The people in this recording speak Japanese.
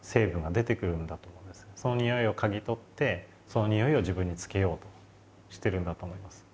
そのにおいをかぎ取ってそのにおいを自分につけようとしてるんだと思います。